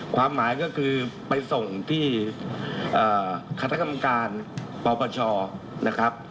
ความหมายก็คือไปส่งที่คณะกรรมการปปชนะครับ